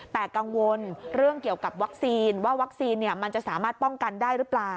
แต่กังวลเรื่องเกี่ยวกับวัคซีนว่าวัคซีนมันจะสามารถป้องกันได้หรือเปล่า